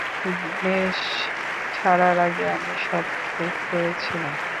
Base ছাড়ার আগে আমি সব চেক করেছিলাম।